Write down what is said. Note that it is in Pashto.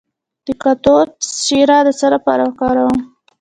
د کاکتوس شیره د څه لپاره وکاروم؟